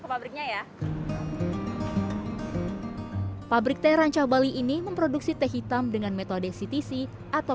ke pabriknya ya pabrik teh rancah bali ini memproduksi teh hitam dengan metode ctc atau